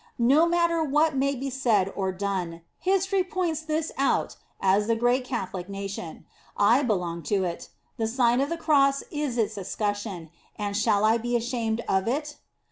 No matter what may be said 01 done, history points this out In the Nineteenth Century. 67 as the great Catholic nation. I belong to it. The Sign of the Cross is its escutcheon, and shall I be ashamed of it?